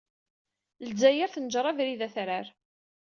Lezzayer tenjeṛ abrid atrar.